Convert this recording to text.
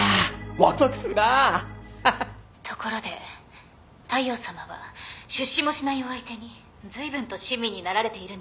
ところで大陽さまは出資もしないお相手にずいぶんと親身になられているんですね。